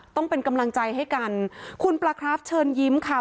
ต้องเป็นกำลังใจให้กันคุณปลาคราฟเชิญยิ้มค่ะ